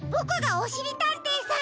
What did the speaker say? おしりたんていさん